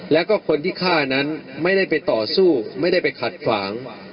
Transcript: แล้วก็คนที่ฆ่านั้นไม่ได้ไปต่อสู้ไม่ได้ไปขัดขวาง